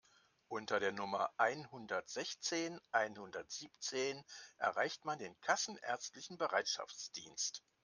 Unter der Nummer einhundertsechzehn einhundertsiebzehn erreicht man den kassenärztlichen Bereitschaftsdienst.